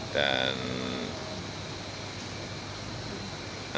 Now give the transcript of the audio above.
dan ananda yusuf kardawi juga meninggal